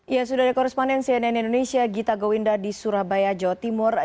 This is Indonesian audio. ya sudah ada koresponden cnn indonesia gita gowinda di surabaya jawa timur